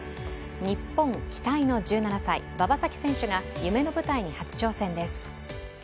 日本機体の１７歳、馬場咲希選手が夢の舞台に初挑戦です。